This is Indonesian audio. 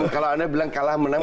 kalau anda bilang kalah menang